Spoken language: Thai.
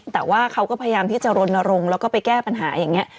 แต่ว่าเขาก็พยายามที่จะรณรงค์แล้วก็ไปแก้ปัญหาอย่างนี้